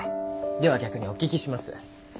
では逆にお聞きします。